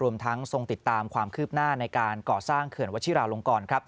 รวมทั้งทรงติดตามความคืบหน้าในการก่อสร้างเขื่อนวัชิราลงกร